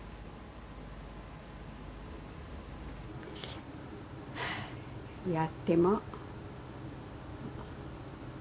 やっても。